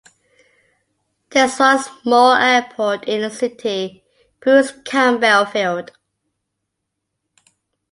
There is one small airport in the city, Bruce Campbell Field.